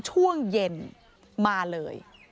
ช่วงเย็นมาเลย